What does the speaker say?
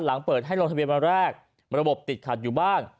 หลังเปิดให้ลงทะเบียนวันแรกระบบติดขัดอยู่บ้าง